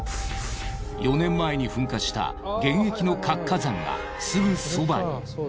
４年前に噴火した現役の活火山がすぐそばに。